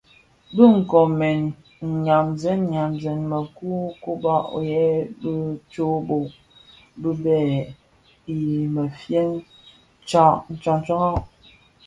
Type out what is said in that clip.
Bë nkoomèn nnabsèn nabsèn bero kōba yè bë tsōō bōō bi bhee i mefye tsaň tsaňraň.